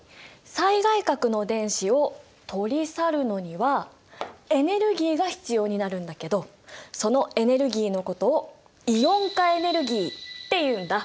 最外殻の電子を取り去るのにはエネルギーが必要になるんだけどそのエネルギーのことをイオン化エネルギーっていうんだ。